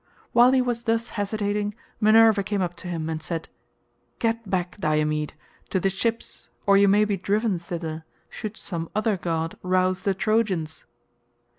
While he was thus hesitating Minerva came up to him and said, "Get back, Diomed, to the ships or you may be driven thither, should some other god rouse the Trojans."